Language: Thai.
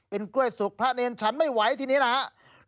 กล้วยสุกพระเนรฉันไม่ไหวทีนี้นะครับ